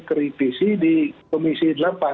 terifisi di komisi delapan